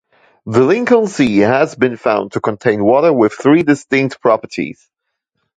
The Lincoln Sea has been found to contain water with three distinct properties.